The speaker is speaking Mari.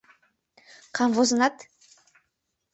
— Камвозынат?